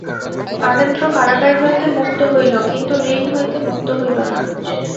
নরেন্দ্র কারাগার হইতে মুক্ত হইল, কিন্তু ঋণ হইতে মুক্ত হইল না।